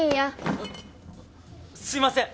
あっすいません！